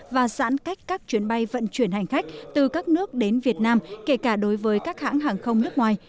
và giãn cách các chuyến bay vận chuyển hành khách từ các nước đến việt nam kể cả đối với các hãng hàng không nước ngoài